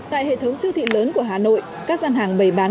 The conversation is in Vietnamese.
tại hệ thống siêu thị lớn của hà nội các gian hàng bày bán